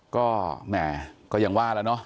ก็แหมก็ยังว่าแล้วเนอะ